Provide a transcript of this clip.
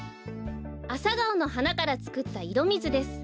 アサガオのはなからつくったいろみずです。